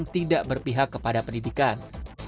tidak berpihak kepada pendidikan